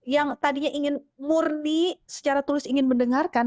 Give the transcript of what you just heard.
yang tadinya ingin murni secara tulis ingin mendengarkan